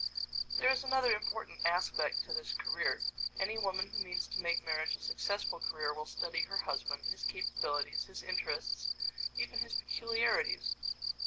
There is another important aspect to this career. Any woman who means to make marriage a successful career will study her husband, his capabilities, his interests, even his peculiarities.